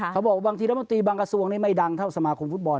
บางทีรัฐมนตรีบางกระทรวงนี้ไม่ดังเท่าสมาคมฟุตบอล